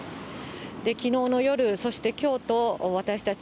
きのうの夜、そしてきょうと、私たち、